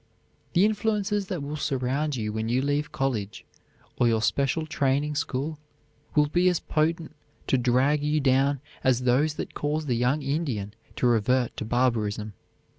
The influences that will surround you when you leave college or your special training school will be as potent to drag you down as those that cause the young Indian to revert to barbarism.